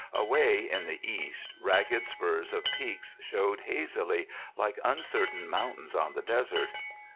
Away in the east ragged spurs of peaks showed hazily, like uncertain mountains on the desert.